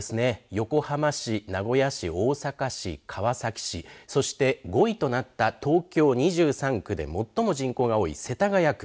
横浜市、名古屋市、大阪市川崎市そして５位となった東京２３区で最も人口が多い世田谷区。